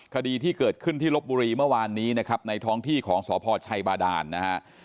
คดีที่เกิดขึ้นที่ลบบุรีเมื่อวานนี้นะครับในท้องที่ของสพชัยบาดานนะฮะ